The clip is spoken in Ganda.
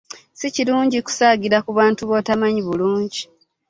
Si kirungi kusagiira ku bantu b'otamanyi bulungi .